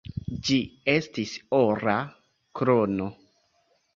Ĝi estis ora krono.